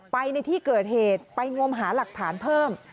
ไปในที่เกิดเหตุไปงมหาหลักฐานเพิ่ม